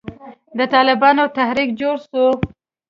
د طالبانو تحريک جوړ سو.